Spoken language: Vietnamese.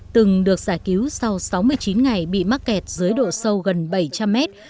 từng được giải cứu sau sáu mươi chín ngày bị mắc kẹt dưới độ sâu gần bảy trăm linh mét